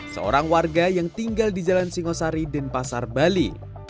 seorang warga yang tinggal di jalan singosari dan pasar bali